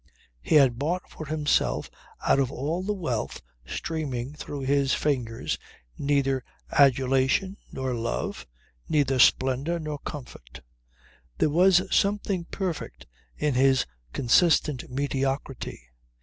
He had bought for himself out of all the wealth streaming through his fingers neither adulation nor love, neither splendour nor comfort. There was something perfect in his consistent mediocrity.